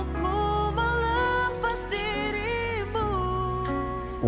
tak mau ku melepas dirimu